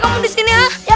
kacau kacau kacau